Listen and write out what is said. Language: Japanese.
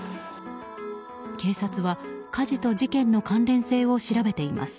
警察は火事と事件の関連性を調べています。